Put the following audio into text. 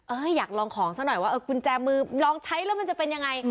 อยากลองของซะหน่อยว่ากุญแจมือลองใช้แล้วมันจะเป็นยังไง